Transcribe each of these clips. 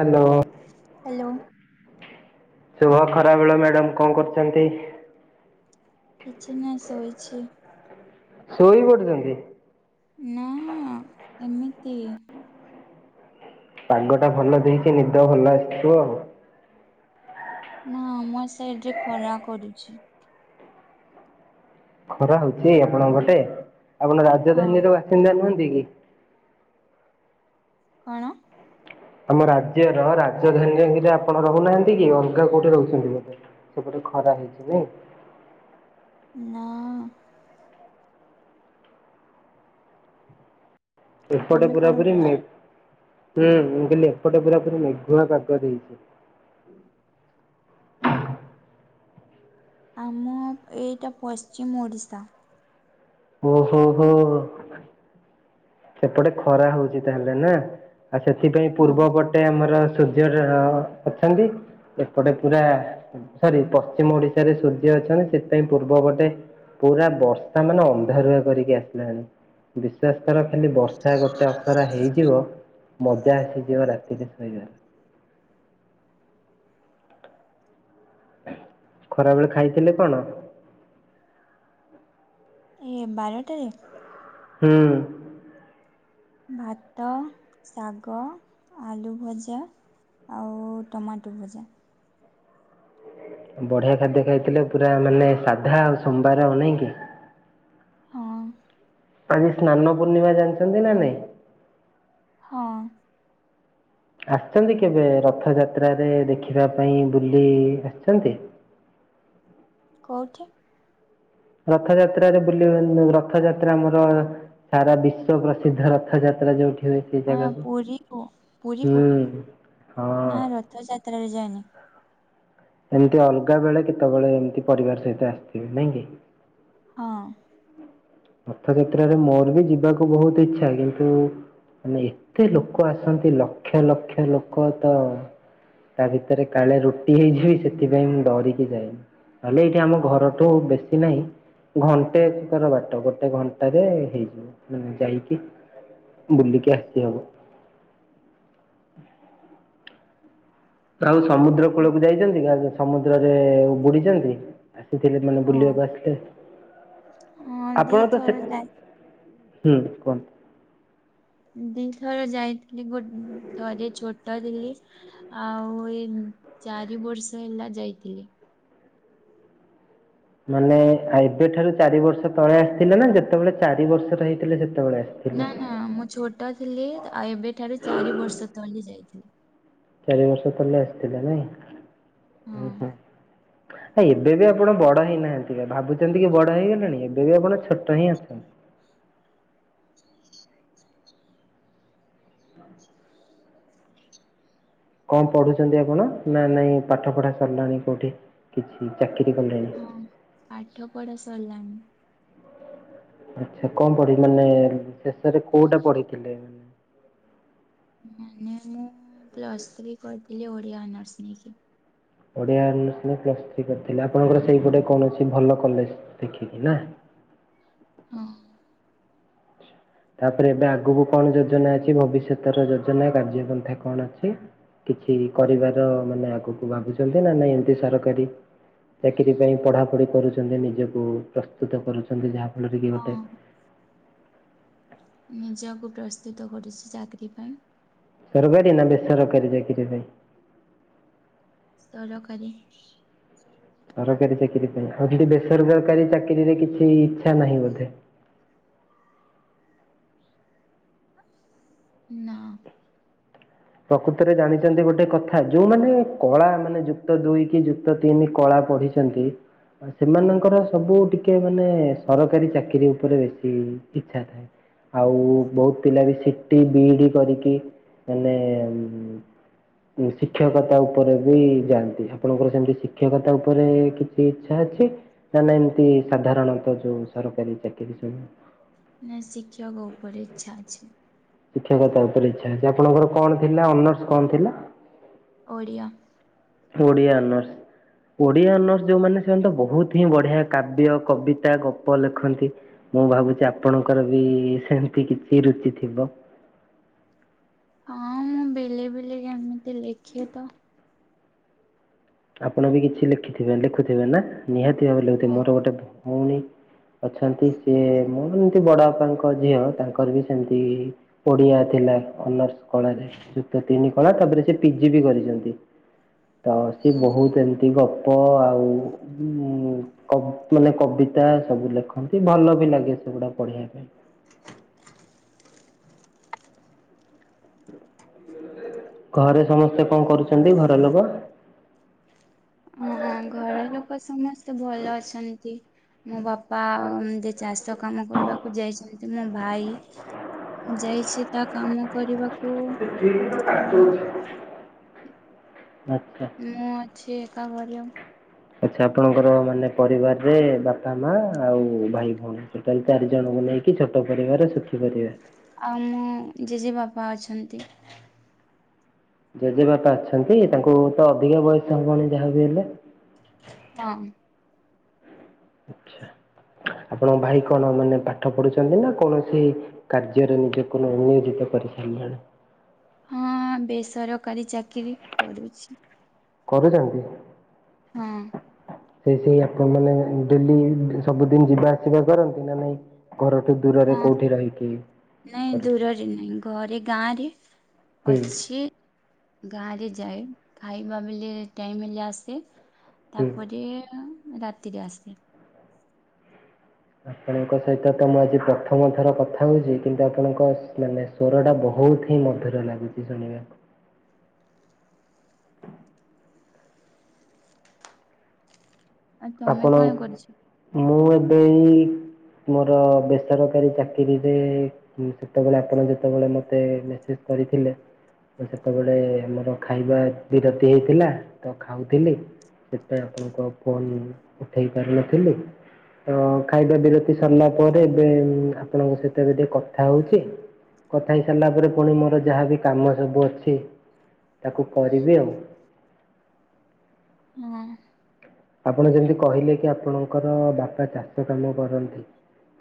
Hello. Hello. ଶୁଭ ଖରା ବେଳ ମ୍ୟାଡାମ କଣ କରୁଚନ୍ତି? କିଛି ନାଇ ଶୋଇଛି। ଶୋଇପଡ଼ିଚନ୍ତି? ନା ଏମିତି ପାଗ ଟା ଭଲ ଦେଇଚି ନିଦ ଭଲ ଆସିଥିବ ଆଉ। ନା ଆମ ସାଇଟ୍ ରେ ଖରା କରୁଚି। ଖରା ହଉଚି ଆପଣଙ୍କ ପଟେ ଆପଣ ହଁ ରାଜଧାନୀ ର ବାସିନ୍ଦା ନୁହ ଦ କିି? କଣ? ଆମ ରାଜ୍ୟର ରାଜଧାନୀରେ ବିଲି ଆପଣ ରହୁନାହାନ୍ତି କି ଅଲଗା କୋଉଠି ରହୁଛନ୍ତି ବୋଧେ ସେପଟେ। ଖରା ହେଇଚି ନାଇଁ। ନା। ଏପଟେ ତମେ କଣ ପୁରାପୁରୀ କରୁଛ ମେଘ ହୁଁ ମୁଁ କହିଲି ଏପଟେ ପୁରା ପୁରି ମେଘୁଆ ପାଗ ଦେଇଛି। ଆମ ଏଇଟା ପଶ୍ଚିମ ଓଡ଼ିଶା। ଓ ହୋ ହୋ। ସେପଟେ ଖରା ହଉଚି ତାହେଲେ ନା ଆଉ ସେଥିପାଇଁ ହଁ ପୂର୍ବପଟେ ଆମର ସୂର୍ଯ୍ୟରେ ର ଅଛନ୍ତି। ଏପଟେ ପୁରା ସରି ପଶ୍ଚିମ ଓଡିଶାରେ ସୂର୍ଯ୍ୟ ଅଛନ୍ତି ସେଥିପାଇଁ ପୂର୍ବପଟେ ପୁରା ବର୍ଷା ମାନେ ଅନ୍ଧାରୁଆ କରିକି ଆସିଲାଣି ବିଶ୍ୱାସ କର ଖାଲି ବର୍ଷା ଗୋଟେ ଅସରା ହେଇଯିବ ମଜା ଆସିଯିବ ରାତିରେ ଶୋଇବାରେ। [inaudible] ଖରାବେଳେ ଖାଇଥିଲେ କଣ? ଏ ବାରଟାରେ? ହୁଁ। ଭାତ ଶାଗ ଆଲୁ ଭଜା ଆଉ ଟମାଟୁର ଭଜା। ବଢିଆ ଖାଦ୍ୟ ଖାଇଥିଲେ ପୁରା ମାନେ ସାଧା ଆଉ ସୋମବାର ଆଉ ନାଇଁକି? ହଁ। ଆଜି ସ୍ନାନ ପୂର୍ଣ୍ଣିମା ଜାଣିଛନ୍ତି ନା ନାଇଁ? ହଁ। ଆସିଚନ୍ତି କେବେ ରଥଯାତ୍ରାରେ ଦେଖିବା ପାଇଁ ବୁଲି ଆସିଚନ୍ତି? କଉଠି? ରଥଯାତ୍ରାରେ ବୁଲି ରଥଯାତ୍ରା ଆମର ସାରା ବିଶ୍ଵ ପ୍ରସିଦ୍ଧ ରଥଯାତ୍ରା ଯୋଉଠି ହେ ସେ ଅ ଜାଗାକୁ ପୁରୀ କୁ ପୁରୀ କୁ ହୁଁ। ହଁ ନା ରଥ ଯାତ୍ରାରେ ଯାଇନି। ଏମତି ଅଲଗା ବେଳେ କେତେବେଳେ ଏମିତି ପରିବାର ସହିତ ଆସିଥିବେ ନାଇଁ କି? ହଁ। ରଥଯାତ୍ରାରେ ମୋର ବି ଯିବାକୁ ବହୁତ ଇଛା କିନ୍ତୁ ମାନେ ଏତେ ଲୋକ ଆସନ୍ତି ଲକ୍ଷ ଲକ୍ଷ ଲୋକ ତ ତା ଭିତରେ କାଳେ ରୁଟି ହେଇଯିବି ସେଥିପାଇଁ ମୁଁ ଡରିକି ଯାଏନି। ମାନେ ଏଇଠି ଆମ ଘରଠୁ ବେଶୀ ନାହିଁ ଘଣ୍ଟେ ଅଛି ତାର ବାଟ ଗୋଟେ ଗୋଟେ ଘଣ୍ଟାରେ ହେଇଯିବ ମାନେ ଯାଇକି ବୁଲିକି ଆସି ହବ। [inaudible] ଆଉ ସମୁଦ୍ର କୂଳକୁ ଯାଇଛନ୍ତି ଗା ସମୁଦ୍ରରେ ବୁଡ଼ିଚନ୍ତି ଆସିଥିଲେ ମାନେ ହଁ ବୁଲିବାକୁ ଆସିଲେ ହଁ ଆପଣ ତ ସେ ଦିଥର ଯାଇ ହୁଁ କୁହନ୍ତୁ। ଦିଥର ଯାଇଥିଲି ଗୋଟ ଥରେ ଛୋଟ ଥିଲି ଆଉ ଏଇ ଚାରି ବର୍ଷ ହେଲା ଯାଇଥିଲି। ମାନେ ଏବେଠାରୁ ଚାରି ବର୍ଷ ତଳେ ଆସିଥିଲେ ନା ଯେତେବେଳେ ଚାରି ବର୍ଷର ହେଇଥିଲେ ସେ ନା ନା ମୁଁ ଛୋଟ ଥିଲି ଏବେଠାରୁ ଚାରି ବର୍ଷ ତଲେ ଯାଇଥିଲି। ଚାରି ବର୍ଷ ତଲେ ଆସିଥିଲା ନାଇଁ ହଁ ଉଁ ହୁଁ। ଆ ଏବେ ବି ଆପଣ ବଡ ହେଇ ନାହାନ୍ତି ଭାବୁଛନ୍ତି କି ବଡ ହେଇଗଲେଣି ଏବେ ବି ଆପଣ ଛୋଟ ହିଁ ଅଛନ୍ତି। [inaudible] କଣ ପଢୁଛନ୍ତି ଆପଣ ନା ନାଇଁ ପାଠ ପଢା ସରିଲାଣି କୋଉଠି କିଛି? ଚାକିରି କଲେଣି? ହଁ ପାଠ ପଢା ସରିଲାଣି। ଆଛା କଣ ପଢି ମାନେ ଶେଷରେ କୋଉଟା ପଢିଥିଲେ ମାନେ ମୁଁ ପ୍ଲସ୍ ଥ୍ରୀ କରିଥିଲି ଓଡିଆ ଅନର୍ସ ନେଇକି। ଓଡିଆ ପ୍ଲସ୍ ଥ୍ରି କରିଥିଲେ ଆପଣଙ୍କର ସେଇ ଗୋଟେ କୌଣସି ଭଲ କଲେଜ୍ ଦେଖିକି ନା। ହଁ। ତାପରେ ଏବେ ଆଗକୁ କଣ ଯୋଜନା ଅଛି ଭବିଷ୍ୟତର ଯୋଜନା କାର୍ଯ୍ୟ ପନ୍ଥା କଣ ଅଛି। କିଛି କରିବାର ମାନେ ଆଗକୁ ଭାବୁଛନ୍ତି ନା ନାଇଁ ଏମିତି ସରକାରୀ ଚାକିରି ପାଇଁ ପଢାପଢି କରୁଛନ୍ତି ନିଜକୁ ପ୍ରସ୍ତୁତ କରୁଛନ୍ତି ଯାହା [unintelligible] ଗୋଟେ ହଁ ନିଜକୁ ପ୍ରସ୍ତୁତ କରୁଛି ଚାକିରି ପାଇଁ। ସରକାରୀ ନା ବେସରକାରୀ ଚାକିରି ପାଇଁ। ସରକାରୀ ସରକାରୀ ଚାକିରୀ ପାଇଁ ଆଉ ଦିଦି ବେସରରକାରୀ ଚାକିରୀରେ କିଛି ଇଚ୍ଛା ନାହିଁ ବୋଧେ [unintelligible] ନା ପ୍ରକୃତରେ ଜାଣିଛନ୍ତି ଗୋଟେ କଥା ଯଉମାନେ କଳା ମାନେ ଯୁକ୍ତ ଦୁଇ କି ଯୁକ୍ତ ତିନି କଳା ପଢିଛନ୍ତି ସେମାନଙ୍କର ସବୁ ଟିକେ ମାନେ ସରକାରୀ ଚାକିରୀ ଉପରେ ବେଶୀ ଇଚ୍ଛା ଥାଏ ଆଉ ବହୁତ ପିଲା ବି ସିଟି ବିଇଡି କରିକି ମାନେ [unintelligible] ଶିକ୍ଷକତା ଉପରେ ବି ଯାଆନ୍ତି ଆପଣଙ୍କର ସେମିତି ଶିକ୍ଷକତା ଉପରେ କିଛି ଇଚ୍ଛା ଅଛି ନା ନା ଏମିତି ସାଧାରଣତ ଯୋଉ ସରକାରୀ ଚାକିରୀ ସବୁ ନା ଶିକ୍ଷକ ଉପରେ ଇଚ୍ଛା ଅଛି ଶିକ୍ଷକତା ଉପରେ ଇଚ୍ଛା ଅଛି ଆପଣଙ୍କର କଣ ଥିଲା ଅନର୍ସ କଣ ଥିଲା ଓଡ଼ିଆ ଓଡ଼ିଆ ଅନର୍ସ ଓଡିଆ ଅନର୍ସ ଯୋଉମାନେ ସେମାନେ ତ ବହୁତ ହିଁ ବଢିଆ କାବ୍ୟ କବିତା ଗପ ଲେଖନ୍ତି ମୁଁ ଭାବୁଛି ଆପଣଙ୍କର ବି ସେମିତି କିଛି ରୁଚି ଥିବ ହଁ ମୁଁ ବିଲେ ବିଲେ ଯେମିତି ଲେଖେ ତ ଆପଣ ବି କିଛି ଲେଖିଥିବେ ଲେଖୁଥିବେ ନା ନିହାତି ଭାବରେ ଲେଖୁଥିବେ ହଁ। ମୋର ଗୋଟେ ଭଉଣୀ ଅଛନ୍ତି ସିଏ ମୁଁ ଏମତି ବଡ ବାପାଙ୍କ ଝିଅ ତାଙ୍କର ବି ସେମିତି ଓଡିଆ ଥିଲା ଅନର୍ସ କଳାରେ ଯୁକ୍ତ ତିନି କଳା ତାପରେ ସେ ପିଜି ବି କରିଛନ୍ତି [unintelligible] ସି ବହୁତ ଏମିତି ଗପ ଆଉ ମାନେ କବିତା ସବୁ ଲେଖନ୍ତି ଭଲ ବି ଲାଗେ ସେଗୁଡା ପଢିବା ପାଇଁ ଘରେ ସମସ୍ତେ କଣ କରୁଛନ୍ତି ଘର ଲୋକ ଉହୁଁ ଘର ଲୋକ ସମସ୍ତେ ଭଲ ଅଛନ୍ତି ମୋ ବାପା ଏମିତି ଚାଷ କାମ କରିବାକୁ ଯାଇଛନ୍ତି ମୋ ଭାଇ ଯାଇଛି ତା କାମ କରିବାକୁ ସେ ଆଉ ଠିକ କା [unintelligible] ମୁଁ ଅଛି ଏକା ଘରେ ଆଚ୍ଛା ଆପଣଙ୍କର ମାନେ ପରିବାରରେ ବାପା ମା ଆଉ ଭାଇ ଭଉଣୀ ଟୋଟାଲ ଚାରି ଜଣ ନେଇକି ଛୋଟ ପରିବାର ସୁଖି ପରିବାର ଆଉ ମୁଁ ଜେଜେ ବାପା ଅଛନ୍ତି ଜେଜେ ବାପା ଅଛନ୍ତି ତାଙ୍କୁ ତ ଅଧିକା ବୟସ ହବଣି ଯାହାବି ହେଲେ ହଁ ଆଚ୍ଛା ଆପଣଙ୍କ ଭାଇ କଣ ମାନେ ପାଠ ପଢୁଛନ୍ତି ନା କୌଣସି କାର୍ଯ୍ୟରେ ନିଜକୁ ନିୟୋଜିତ କରି [unintelligible] ହଁ ବେସରକାରୀ ଚାକିରୀ କରୁଛି କରୁଛନ୍ତି ହଁ ସେ ସେଇ ଆପଣ ମାନେ ଡେଲି ସବୁଦିନ ଯିବା ଆସିବା କରନ୍ତି ନା ନାଇଁ? ଘରଠୁ ଦୂରରେ ହଁ। କୋଉଠି ରହିକି ନାଇଁ କରୁଛନ୍ତି? ଦୂରରେ ନାଇଁ ଘରେ ଗାଁ ରେ ହୁଁ ଅଛି। ଗାଁରେ। ଯାଏ ଖାଇବା ବେଲେ ଟାଇମ୍ ହେଲେ ଆସେ ହୁଁ। ତାପରେ ରାତିରେ ଆସେ। ଆପଣଙ୍କ ସହିତ ତ ମୁଁ ଆଜି ପ୍ରଥମ ଥର କଥା ହଉଛି କିନ୍ତୁ ଆପଣଙ୍କ ମାନେ ସ୍ଵର ଟା ବହୁତ। ବହୁତ ହିଁ ମଧୁର ଲାଗୁଛି ଶୁଣିବାକୁ। ଆଉ ତମେ ଆପଣ କଣ କରୁଛ? ମୁଁ ଏବେଇ ମୋର ବେସରକାରୀ ଚାକିରିରେ ସେତେବେଳେ ଆପଣ ଯେତେବେଳେ ମତେ ମେସେଜ କରିଥିଲେ। ସେତେବେଳେ ଆମର ଖାଇବା ବିରତି ହେଇଥିଲା ତ ଖାଉଥିଲି। ସେପାଇଁ ଆପଣଙ୍କ ଫୋନ ଉଠେଇ ପାରିନଥିଳୀ। ତ ଖାଇବା ବିରତି ସରିଲା ପରେ ଏବେ ଆପଣଙ୍କ ସହିତ ଏବେ ଟିକେ କଥା ହଉଛି। କଥା ହେଇ ସାରିଲା ପରେ ପୁଣି ମୋର ଯାହାବ କାମ ସବୁ ଅଛି। ତାକୁ କରିବି ଆଉ। ହଁ। ଆପଣ ଯେମିତି କହିଲେ କି ଆପଣଙ୍କର ବାପା ଚାଷ କାମ କରନ୍ତି।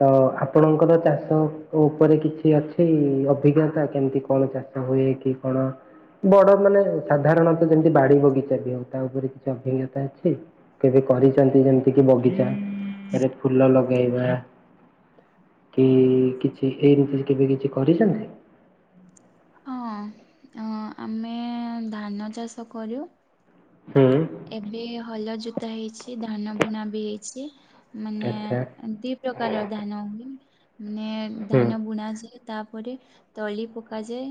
ତ ଆପଣଙ୍କର ଚାଷ ଉପରେ କିଛି ଅଛି ଅଭିଜ୍ଞତା କେମିତି କଣ ଚାଷ। ହୁଏ କି କଣ? ବଡ ମାନେ ସାଧାରଣତଃ ଯେମିତି ବାଡି ବଗିଚା ବି ହଉ ତା ଉପରେ କିଛି ଅଭିଜ୍ଞତା ଅଛି? କେବେ କରିଛନ୍ତି ଯେମିତି କି ବଗିଚା ଏରେ ଫୁଲ ଲଗେଇବା। କି କିଛି ଏଇମତି କେବେ କିଛି କରିଛନ୍ତି? ହଁ ଆମେ ଧାନ ଚାଷ କରୁ। ହୁଁ ଏବେ ହଲ ଜୋତା ହେଇଛି ଧାନ ବୁଣା ବି ହେଇଛି। ମାନେ ଆଚ୍ଛା ଦି ପ୍ରକାର ଧାନ ହୁଏ ମାନେ ହୁଁ ଧାନ ବୁଣା ଯାଏ। ତାପରେ ତଳି ପକାଯାଏ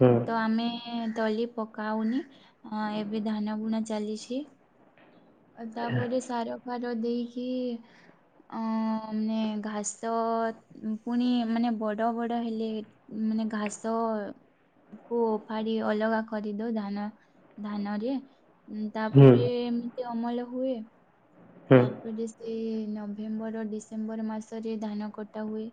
ହୁଁ ତ ଆମେ ତଲି ପକାଉନି ଏବେ ଧାନ ବୁଣା ଚାଲିଛି। ଆଉ ଆଚ୍ଛା ତାପରେ ସାର ଫାର ଦେଇକି ଅ ମାନେ ଘାସ ପୁଣି ମାନେ ବଡ ବଡ ହେଲେ। ମାନେ ଘାସ। କୁ ଫାଡି ଅଲଗା କରିଦଉ ଧାନ ଧାନରେ ହୁଁ ତାପରେ ଏମିତି ଅମଳ ହୁଏ ହୁଁ। ତାପରେ ସେ ନଭେମ୍ବର ଡିସେମ୍ବର ମାସରେ ଧାନ କଟା ହୁଏ।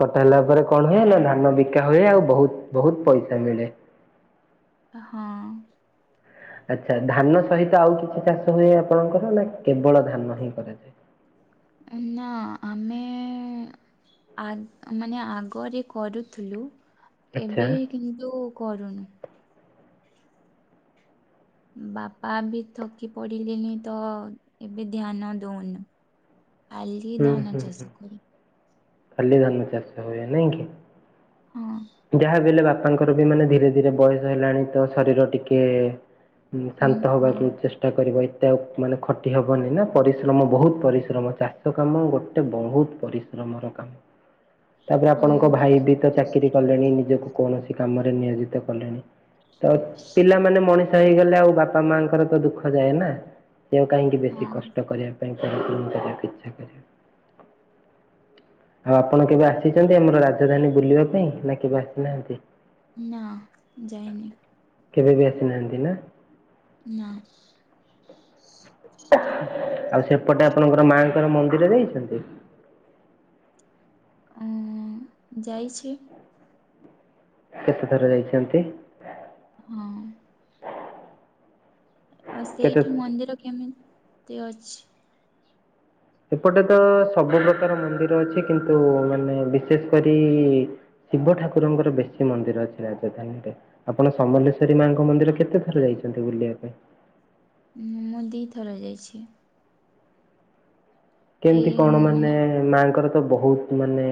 କଟା ହେଲା ପରେ କଣ ହୁଏ ନା ଧାନ ବିକା ହୁଏ ଆଉ ବହୁତ ବହୁତ ପଇସା ମିଳେ। ହଁ। ଆଚ୍ଛା ଧାନ ସହିତ ଆଉ କିଛି ଚାଷ ହୁଏ ଆପଣଙ୍କର ନା କେବଳ ଧାନ ହିଁ କରାଯାଏ? ନା ଆମେ ଆ ମାନେ ଆଗରେ କରୁଥିଲୁ। ଆଚ୍ଛା ଏବେ କିନ୍ତୁ କରୁନୁ। ବାପା ବି ଥକି ପଡିଲେନି ତ ଏବେ ଧ୍ୟାନ ଦଉନୁ। ଆଲି ଧାନ ଚାଷ କରୁ। ଖଲି ଧାନ ଚାଷ ହୁଏ ନାଇଁ କି? ହଁ ଯାହା ବି ହେଲେ ବାପାଙ୍କର ବି ମାନେ ଧୀରେ ଧୀରେ ବୟସ ହେଲାଣି ତ ଶରୀର ଟିକେ ଉଁ ଶାନ୍ତ ହଁ ହବାକୁ ଚେଷ୍ଟା କରିବ। ମାନେ ଖଟି ହବନି ନା ପରିଶ୍ରମ ବହୁତ ପରିଶ୍ରମ ଚାଷ। କାମ ଗୋଟେ ବହୁତ ପରିଶ୍ରମର କାମ ତାପରେ ଆପଣଙ୍କ ହଁ ଭାଇ ତି ତ ଚାକିରି। କଲେଣି ନିଜକୁ କୌଣସି କାମରେ ନିୟୋଜିତ କଲେଣି। ତ ପିଲାମାନେ ମଣିଷ ହେଇଗଲେ ଆଉ ବାପା ମା ଙ୍କର ତ ଦୁଃଖ ଯାଏ ନା ସେ କାହିଁକି ହଁ ବେଶୀ କଷ୍ଟ କରିବା ପାଇଁ କରିବାକୁ ଇଚ୍ଛା କରିବେ। [inaudible] ଆଉ ଆପଣ କେବେ ଆସିଚନ୍ତି ଆମର ରାଜଧାନୀ ବୁଲିବା ପାଇଁ ନା କେବେ ଆସିନାହାନ୍ତି? ନା ଯାଇନି। କେବେ ବି ଆସିନାହାନ୍ତି ନା? ନା। ଆଉ ସେପଟେ ଆପଣଙ୍କର ମାଙ୍କର ମନ୍ଦିର ଯାଇଚନ୍ତି? ଓ ଯାଇଚି। କେତେଥର ଯାଇଚନ୍ତି? ହଁ। ଆଉ କେତେ ସେଇଠି ମନ୍ଦିର କେମିତି ଅଛି? ଏପଟେ ତ ସବୁ ପ୍ରକାର ମନ୍ଦିର ଅଛି, କିନ୍ତୁ ମାନେ ବିଶେଷ କରି ଶିବ ଠାକୁରଙ୍କର ବେଶୀ ମନ୍ଦିର ଅଛି ରାଜଧାନୀରେ, ଆପଣ ସମଲେଶ୍ଵରୀ ମାଙ୍କ ମନ୍ଦିର କେତେ ଥର ଯାଇ ନ୍ତି ବୁଲିବା ପାଇଁ। ମୁଁ ଦି ଥର ଯାଇଛି। କେମିତି କଣ? ମାନେ ମାଆଙ୍କର ତ ବହୁତ ମାନେ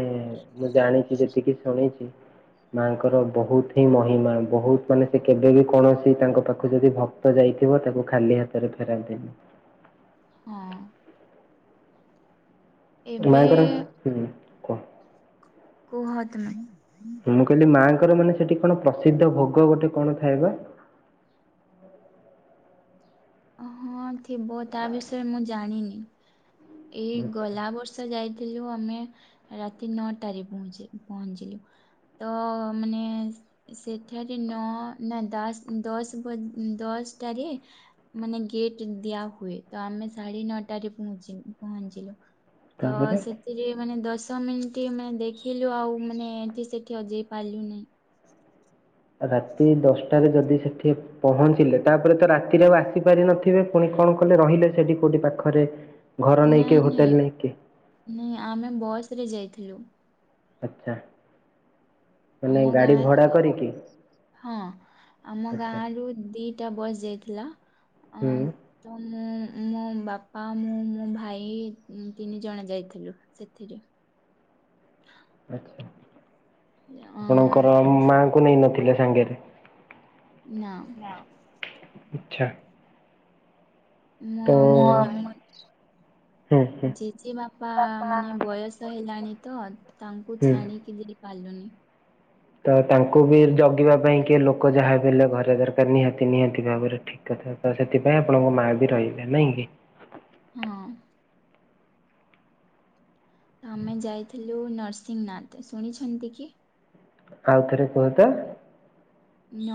ମୁଁ ଜାଣିଚି, ଯେତିକି ଶୁଣିଚି ମାଙ୍କର ବହୁତ ହିଁ ମହିମା ବହୁତ ମାନେ ସେ କେବେ ବି କୌଣସି ତାଙ୍କ ପାଖକୁ ଯଦି ଭକ୍ତ ଯାଇ ଏତେ ବାଟରୁ ଖାଲି ହାତରେ ଫେରାନ୍ତୀନି। ହଁ। ଏବେ [unintelligible] ହୁଁ କୁହ। କୁହ ତୁମେ? ମୁଁ କହିଲି ମାଆଙ୍କର ମାନେ, ସେଠି କଣ ପ୍ରସିଦ୍ଧ ଭୋଗ ଗୋଟେ କଣ ଥାଏବା। [inaudible] ହଁ ଥିବ। ତା ବିଷୟ ମୁଁ ଜାଣିିନି। ଏଇ ଆଚ୍ଛା। ଗଲା ବର୍ଷ ଯାଇ ଥିଲୁ ଆମେ ରାତି ନଅଟାରେ ପୁଣି ଯାଇ ପହଞ୍ଚିଲୁ। ତ ମାନେ ସେଠାରେ ନ ନା ଦାଶ ଦଶ ବଜ୍ ଦଶ ଦଶ ଟା ରେ ମାନେ ଗେଟ୍ ଦିଆ ହୁଏ, ତ ଆମେ ସାଢେ ନଅଟାରେ ପହଞ୍ଚି ପହଞ୍ଚିଲୁ। ତ ତାପରେ ସେଥିରେ ମାନେ ଦଶ ଦଶ ମିନିଟ୍ ଆମେ ଦେଖିଲୁ, ଆଉ ମାନେ ଏମତି ସେଠି ଅ ଜେଇ ପାରିଲୁ ନାଇଁ। ରାତି ଦଶଟାରେ ଯଦି ସେଠି ପହଞ୍ଚିଲେ, ତାପରେ ତ ରାତିରେ ଆଉ ଆସିପାରିିନଥିବେ ପୁଣି କଣ ମୁଁ କହିଲି, ରହିଲେ ସେଠି କୋଉଠି ପାଖରେ ଘର ନେଇକି ନାଇଁ ହୋଟେଲ ନାଇଁ, ନେଇକି ନା ଆମେ ବସ ରେ ଯାଇଥିଲୁ। ଆଚ୍ଛା। ମାନେ ଆମ ଗାଡ଼ି ଗାଁର, ଭଡ଼ା କରିକି ହଁ ଆମ ଆଚ୍ଛା ଗାଁରୁ ଦି ଟା ବୟସ ଯାଇଥିଲା। ଆ ହୁଁ ତ ମୁଁ ମୋ ବାପା, ମୁଁ, ମୋ ଭାଇ, ତିନି ଜଣ ଯାଇଥିଲୁ ସେଥିରେ। [inaudible] ଆଛା। ଅ ଆପଣଙ୍କର ମାଙ୍କୁ ନେଇ ନଥିଲେ ସାଙ୍ଗରେ ନା। ଆଚ୍ଛା। ମୋ ତ ମାନେ ମତ ହୁଁ। ହୁଁ ଜେଜେ ବାପା ମାନେ ବୟସ ହେଲାଣି ତ, ତାଙ୍କୁ ହୁଁ ଛାଡିକି ଦେଇ ପାରିଲୁନି। ତ ତାଙ୍କୁ ବି ଜଗିବା ପାଇଁ କି ଲୋକ ଯାହା ବି ହେଲେ ଘରେ ଦରକାର ନିହାତି ନିହାତି ଭାବରେ ଠିକ ତ ସେଥିପାଇଁ ଆପଣଙ୍କ ମା ବି ରହିଲେ ନାଇଁ କି? ହଁ। ଆମେ ଯାଇଥିଲୁ ନରସିଂହନାଥ ଶୁଣିଛନ୍ତି କି? ଆଉଥରେ କୁହତ।